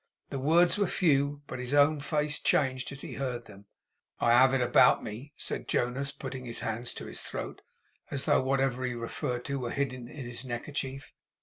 The words were few, but his own face changed as he heard them. 'I have it about me,' said Jonas, putting his hands to his throat, as though whatever he referred to were hidden in his neckerchief.